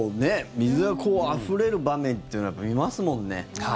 水があふれる場面っていうのは見ますもんね。